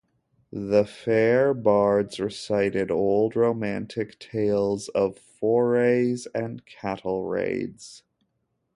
The fair bards recited old romantic tales of forays and cattle-raids.